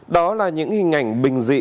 đó là những hình ảnh bình dị